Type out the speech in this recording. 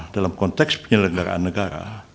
dalam konteks penyelenggaraan negara